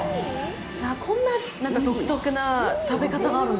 こんな独特な食べ方があるんだ！？